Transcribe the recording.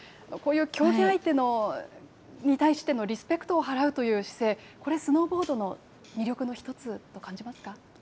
こういう競技相手に対してのリスペクトを払うという姿勢、これスノーボードの魅力の一つと感じますか。